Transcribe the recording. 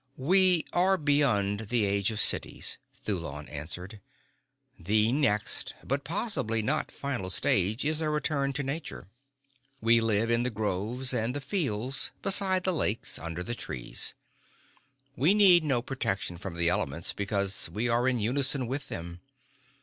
"We are beyond the age of cities," Thulon answered. "The next but possibly not final stage is a return to nature. We live in the groves and the fields, beside the lakes, under the trees. We need no protection from the elements because we are in unison with them.